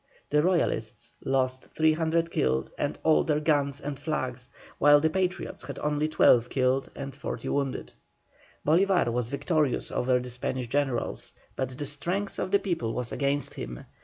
The Royalists lost 300 killed and all their guns and flags, while the Patriots had only 12 killed and 40 wounded. Bolívar was victorious over the Spanish generals, but the strength of the people was against him.